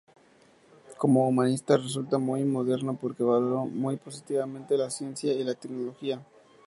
Como humanista resulta muy moderno porque valoró muy positivamente la ciencia y la tecnología.